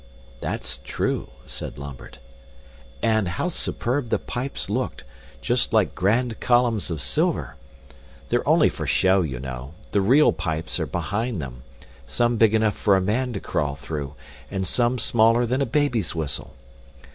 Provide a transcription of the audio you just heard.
"That's true," said Lambert, "and how superb the pipes looked just like grand columns of silver. They're only for show, you know. The REAL pipes are behind them, some big enough for a man to crawl through, and some smaller than a baby's whistle.